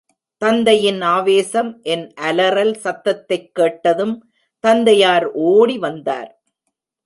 தந்தையின் ஆவேசம் என் அலறல் சத்தத்தைக் கேட்டதும் தந்தையார் ஓடி வந்தார்.